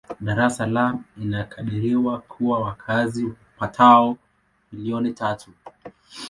Dar es Salaam inakadiriwa kuwa na wakazi wapatao milioni tatu.